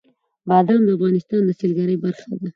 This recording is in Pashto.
بادام د افغانستان د سیلګرۍ برخه ده.